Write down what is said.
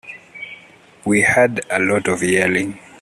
We heard a lot of yelling.